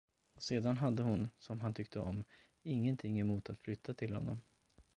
Och sedan hade hon, som han tyckte om, ingenting emot att flytta till honom.